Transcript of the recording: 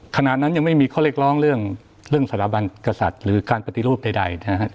ขณะนั้นยังไม่มีข้อเรียกร้องเรื่องสถาบันกษัตริย์หรือการปฏิรูปใดนะฮะ